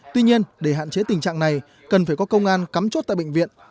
tuy nhiên để hạn chế tình trạng này cần phải có công an cắm chốt tại bệnh viện